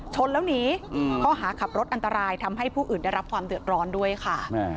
ชนแล้วหนีข้อหาขับรถอันตรายทำให้ผู้อื่นได้รับความเดือดร้อนด้วยค่ะ